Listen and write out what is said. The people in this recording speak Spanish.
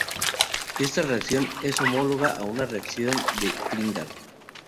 Esta reacción es homóloga a una reacción de Grignard.